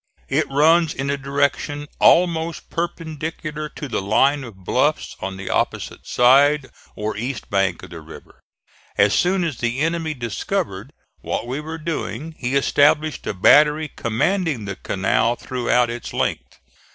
It runs in a direction almost perpendicular to the line of bluffs on the opposite side, or east bank, of the river. As soon as the enemy discovered what we were doing he established a battery commanding the canal throughout its length.